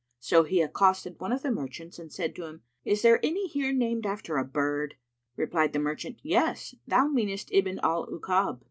So he accosted one of the merchants and said to him, "Is there any here named after a bird?" Replied the merchant, "Yes, thou meanest Ibn al Ukab."